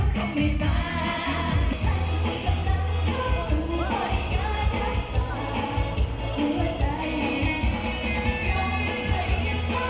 ขอบคุณค่ะ